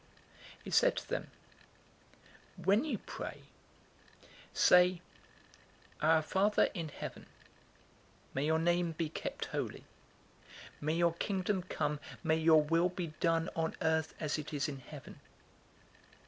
011:002 He said to them, "When you pray, say, 'Our Father in heaven, may your name be kept holy. May your Kingdom come. May your will be done on Earth, as it is in heaven.